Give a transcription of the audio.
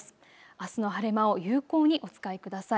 あすの晴れ間を有効にお使いください。